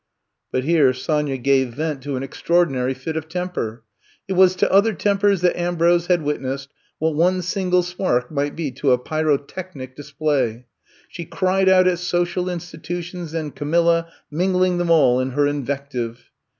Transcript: But here Sonya gave vent to an extraor dinary fit of temper. It was to other tempers that Ambrose had witnessed what one single spark might be to a pyrotechnic display. She cried out at social institu tions and Canlilla, mingling them all in her invective.